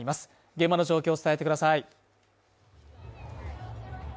現場の状況を伝えてください。